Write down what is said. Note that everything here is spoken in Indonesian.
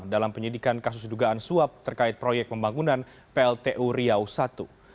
dalam penyidikan kasus dugaan suap terkait proyek pembangunan pltu riau i